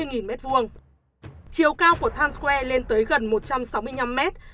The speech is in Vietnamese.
chiều cao của times square lên tới gần một trăm sáu mươi năm mét